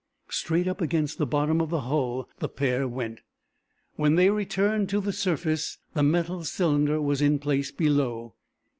Straight up against the bottom of the hull the pair went. When they returned to the surface the metal cylinder was in place below.